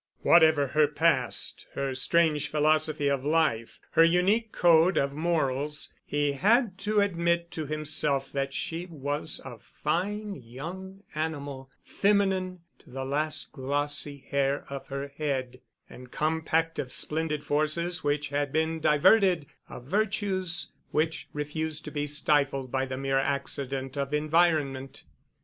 Whatever her past, her strange philosophy of life, her unique code of morals, he had to admit to himself that she was a fine young animal, feminine to the last glossy hair of her head, and compact of splendid forces which had been diverted—of virtues which refused to be stifled by the mere accident of environment.